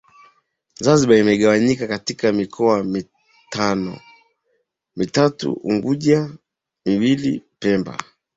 Zanzibar imegawanyika katika mikoa mitano mitatu unguja miwili pemba